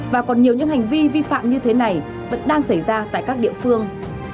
và còn nhiều những hành vi vi phạm như thế này vẫn đang xảy ra tại các địa phương